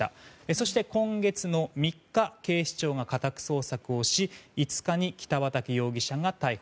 そして、今月の３日警視庁が家宅捜索をし５日に北畠容疑者が逮捕。